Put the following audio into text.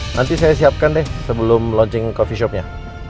nanti saya siapkan deh sebelum launching coffee shopnya